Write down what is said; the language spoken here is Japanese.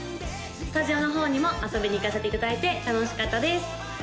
スタジオの方にも遊びに行かせていただいて楽しかったです！